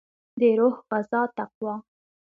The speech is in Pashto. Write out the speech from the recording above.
دروح غذا تقوا